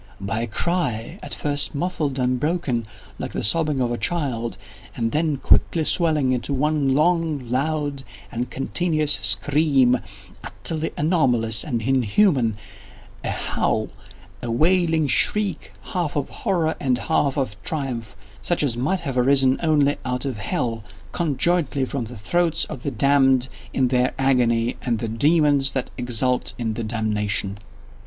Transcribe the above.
—by a cry, at first muffled and broken, like the sobbing of a child, and then quickly swelling into one long, loud, and continuous scream, utterly anomalous and inhuman—a howl—a wailing shriek, half of horror and half of triumph, such as might have arisen only out of hell, conjointly from the throats of the damned in their agony and of the demons that exult in the damnation.